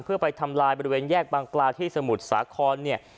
เพื่อไปทำลายบริเวณแยกบางปลาที่สมุทรสาครเนี่ย